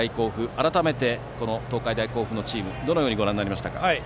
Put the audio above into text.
改めてこの東海大甲府のチームどうご覧になりましたか。